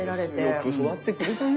よく育ってくれたね